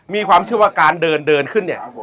มีความเชื่อว่าการเดินเดินขึ้นเนี่ย